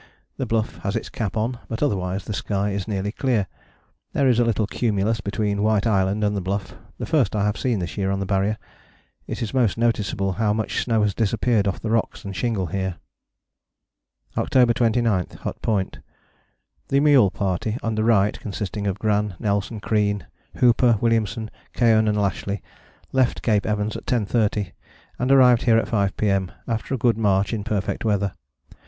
The Bluff has its cap on, but otherwise the sky is nearly clear: there is a little cumulus between White Island and the Bluff, the first I have seen this year on the Barrier. It is most noticeable how much snow has disappeared off the rocks and shingle here. October 29. Hut Point. The mule party, under Wright, consisting of Gran, Nelson, Crean, Hooper, Williamson, Keohane and Lashly, left Cape Evans at 10.30 and arrived here at 5 P.M. after a good march in perfect weather.